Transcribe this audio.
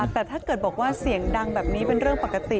แต่ถ้าเกิดบอกว่าเสียงดังแบบนี้เป็นเรื่องปกติ